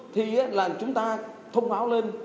thì là chúng ta thông báo lên